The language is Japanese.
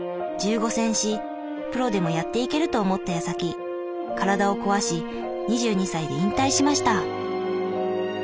１５戦しプロでもやっていけると思ったやさき体を壊し２２歳で引退しました。